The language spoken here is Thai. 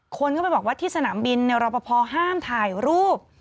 คนก็ไปบอกว่าที่สนามบินรอปภห้ามถ่ายรูป